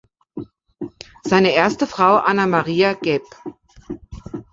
Seine erste Frau, Annamaria geb.